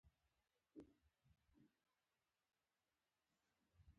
يواځې يوه تشه کوټه لرو.